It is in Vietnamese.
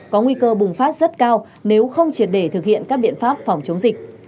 có nguy cơ bùng phát rất cao nếu không triệt để thực hiện các biện pháp phòng chống dịch